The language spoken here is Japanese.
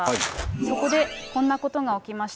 そこでこんなことが起きました。